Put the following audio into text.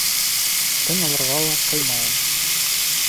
Тын алырға ла ҡыймайым.